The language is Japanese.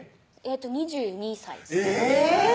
２２歳ですえぇ！